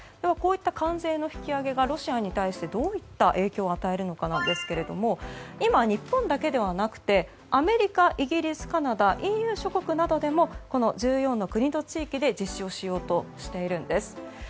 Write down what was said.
こういった関税の引き上げがロシアに対してどういった影響を与えるのかですが今、日本だけではなくてアメリカ、イギリス、カナダＥＵ諸国などでもこの１４の国と地域で実施をしようとしているんです。